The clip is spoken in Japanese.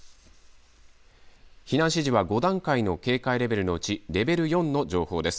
避難指示は５段階のレベルのうちレベル４の情報です。